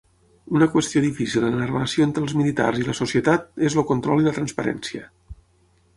Una qüestió difícil en la relació entre els militars i la societat és el control i la transparència.